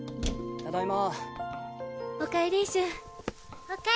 ただいま。